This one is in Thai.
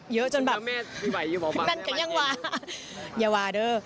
เยอะจนแบบพี่แม่งกันยังว่าอย่าว่าเด้อ